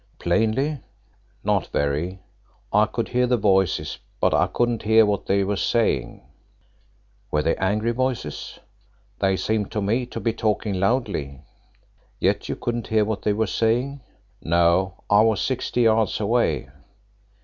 "Plainly?" "Not very. I could hear the voices, but I couldn't hear what they were saying." "Were they angry voices?" "They seemed to me to be talking loudly." "Yet you couldn't hear what they were saying?" "No; I was sixty yards away."